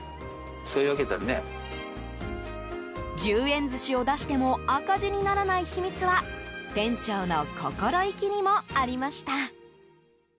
１０円寿司を出しても赤字にならない秘密は店長の心意気にもありました。